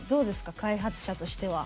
開発者としては。